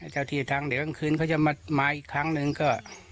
เจ้าที่จะทั้งเดียวน์ก็คืนเค้าจะมาอีกครั้งนึงก็